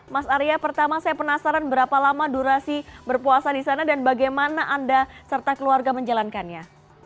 mas arya pertama saya penasaran berapa lama durasi berpuasa di sana dan bagaimana anda serta keluarga menjalankannya